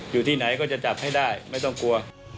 อยู่ที่ไหนก็จะจับให้ได้ไม่ต้องกลัว